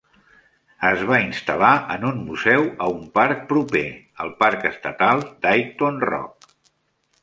Es va instal·lar en un museu a un parc proper, el parc estatal Dighton Rock.